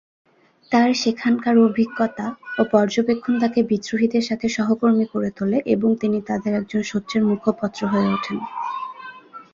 তার সেখানকার অভিজ্ঞতা ও পর্যবেক্ষণ তাকে বিদ্রোহীদের সাথে সহকর্মী করে তোলে এবং তিনি তাদের একজন সোচ্চার মুখপত্র হয়ে ওঠেন।